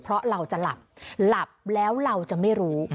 เพราะเราจะหลับหลับแล้วเราจะไม่รู้